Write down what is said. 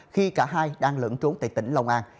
khi cả hai đang lẫn trốn tại tỉnh long an